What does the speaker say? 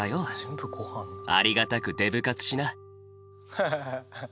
ハハハ。